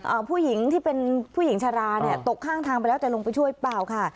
ผู้หญิงที่เป็นผู้หญิงชะลาเนี่ยตกข้างทางไปแล้วจะลงไปช่วยเปล่าค่ะ